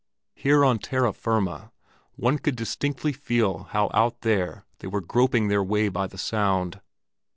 Here on terra firma one could distinctly feel how out there they were groping their way by the sound.